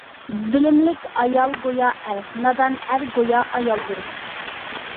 بىلىملىك ئايال گويا ئەر، نادان ئەر گويا ئايالدۇر.